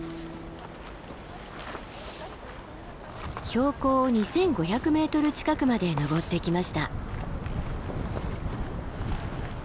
標高２，５００ｍ近くまで登ってきました。